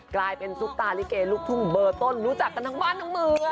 กลายเป็นซุปตาลิเกลูกทุ่งเบอร์ต้นรู้จักกันทั้งบ้านทั้งเมือง